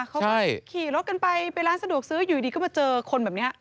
เขาก็ขี่รถกันไปไปร้านสะดวกซื้ออยู่ดีก็มาเจอคนแบบนี้